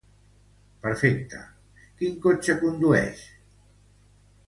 Perfecte, quin cotxe condueix?